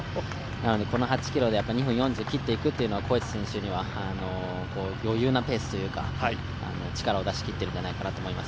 この８ｋｍ２分４０を切っていくのはコエチ選手には余裕なペースというか、力を出し切っていると思います。